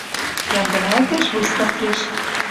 Йӓмдӹлӓлтеш выставкеш.